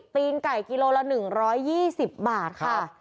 ตีนไก่กิโลละ๑๒๐บาทค่ะ